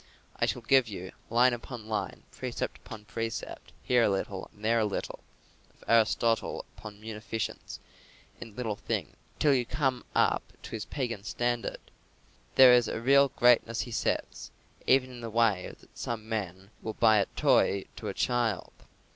I shall give you "line upon line, precept upon precept, here a little and there a little" of Aristotle upon munificence in little things till you come up to his pagan standard. "There is a real greatness," he says, "even in the way that some men will buy a toy to a child.